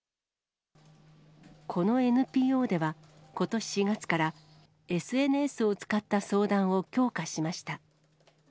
このＮＰＯでは、ことし４月からＳＮＳを使った相談を強化しました。